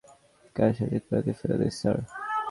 কাজ শেষে কোয়ারিতে ফেলে দিই, স্যার।